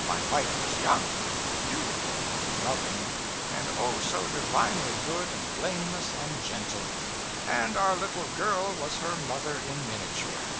My wife was young, beautiful, loving, and oh, so divinely good and blameless and gentle! And our little girl was her mother in miniature.